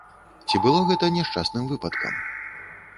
Ці было гэта няшчасным выпадкам?